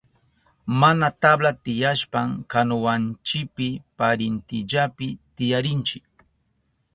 Mana tabla tiyashpan kanuwanchipi parintillapi tiyarinchi.